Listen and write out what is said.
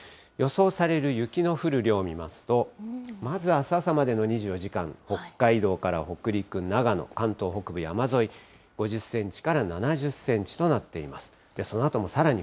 予想される雪の降る量を見ますと、まず、あす朝までの２４時間、北海道から北陸、長野、関東北部山沿い、５０センチから７０センチとなっています。